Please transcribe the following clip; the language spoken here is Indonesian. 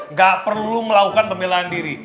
nggak perlu melakukan pembelaan diri